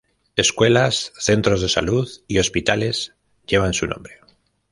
Escuelas, centros de salud y hospitales llevan su nombre.